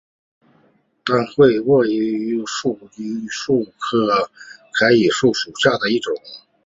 单穗桤叶树为桤叶树科桤叶树属下的一个种。